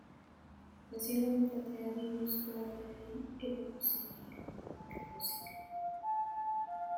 Nazionalitateari buruzko galderari ere muzin egingo nioke pozik.